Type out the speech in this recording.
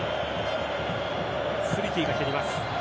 スリティが蹴ります。